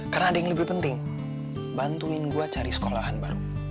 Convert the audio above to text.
karena ada yang lebih penting bantuin gue cari sekolahan baru